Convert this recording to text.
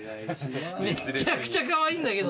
めちゃくちゃカワイイんだけど。